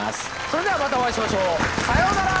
それではまたお会いしましょう。さようなら！